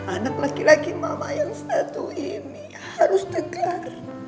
anak laki laki mama yang satu ini harus tegar